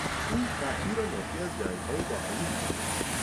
او قحطی را ناشی از جنگهای داخلی میدانست.